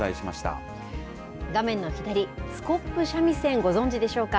画面の左、スコップ三味線、ご存じでしょうか。